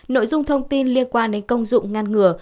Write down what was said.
nội dung thông tin liên quan đến công dụng ngăn ngừa